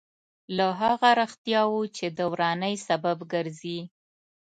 له هغه رښتیاوو چې د ورانۍ سبب ګرځي.